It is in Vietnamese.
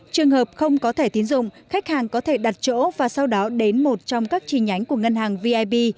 trường hợp không có thẻ tín dụng khách hàng có thể đặt chỗ và sau đó đến một trong các chi nhánh của ngân hàng vip